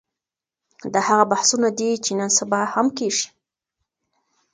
دا هغه بحثونه دي چي نن سبا هم کېږي.